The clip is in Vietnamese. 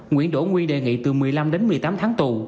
nguyễn đỗ nguy đề nghị từ một mươi năm đến một mươi tám tháng tù